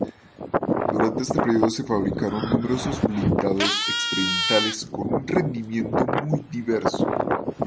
Durante este período se fabricaron numerosos blindados experimentales con un rendimiento muy diverso.